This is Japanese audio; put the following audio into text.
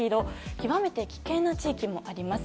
極めて危険な地域もあります。